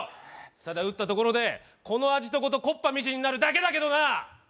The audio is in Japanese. ただ撃ったところでこのアジトごと木っ端みじんになるだけだけどな！